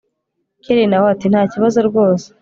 kellia nawe ati ntakibazo rwose